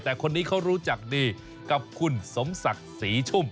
แต่คนนี้เขารู้จักดีกับคุณสมศักดิ์ศรีชุ่ม